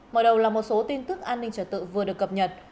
mở đầu là một số tin tức an ninh trở tự vừa được cập nhật